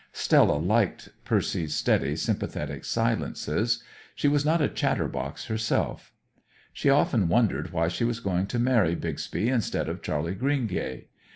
Stella liked Percy's steady, sympathetic silences; she was not a chatterbox herself. She often wondered why she was going to marry Bixby instead of Charley Greengay.